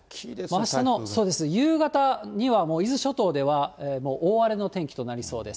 あしたの夕方には、もう伊豆諸島ではもう大荒れの天気となりそうです。